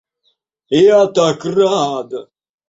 Я так рада!